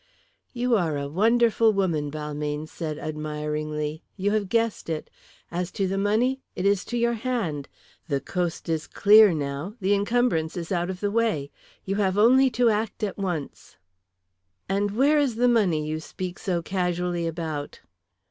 "You are a wonderful woman," Balmayne said admiringly. "You have guessed it. As to the money, it is to your hand. The coast is clear now, the incumbrance is out of the way. We have only to act at once." "And where is the money you speak so casually about?"